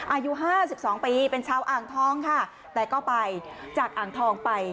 อายุห้าสิบสองปีเป็นชาวอ่างทองค่ะแต่ก็ไปจากอ่างทองไป